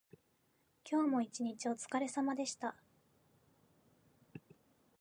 今日も一日おつかれさまでした。